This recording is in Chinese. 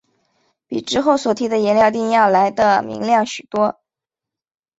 比之后所提的颜料靛要来得明亮许多。